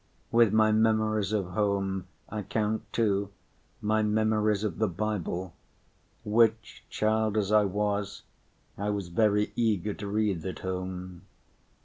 With my memories of home I count, too, my memories of the Bible, which, child as I was, I was very eager to read at home.